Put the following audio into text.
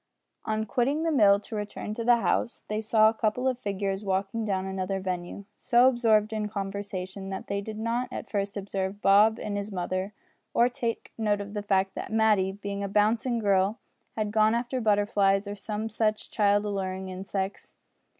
On quitting the mill to return to the house they saw a couple of figures walking down another avenue, so absorbed in conversation that they did not at first observe Bob and his mother, or take note of the fact that Matty, being a bouncing girl, had gone after butterflies or some such child alluring insects.